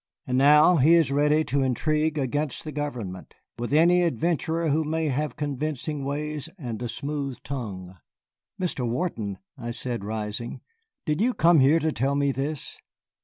And now he is ready to intrigue against the government with any adventurer who may have convincing ways and a smooth tongue." "Mr. Wharton," I said, rising, "did you come here to tell me this?"